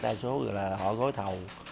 đa số là họ gối thầu